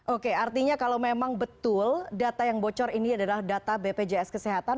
oke artinya kalau memang betul data yang bocor ini adalah data bpjs kesehatan